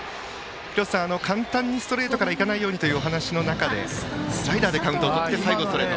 廣瀬さん、簡単にストレートからいかないようにというお話の中スライダーでカウントをとって最後はストレート。